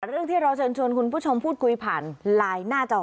เรื่องที่เราเชิญชวนคุณผู้ชมพูดคุยผ่านไลน์หน้าจอ